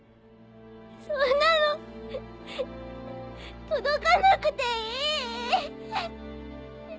そんなの届かなくていい。